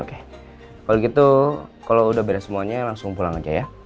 kalau gitu kalau udah beda semuanya langsung pulang aja ya